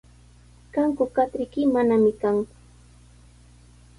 ¿Kanku katriyki? Manami kanku.